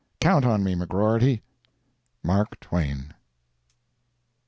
Count on me, McGrorty. MARK TWAIN.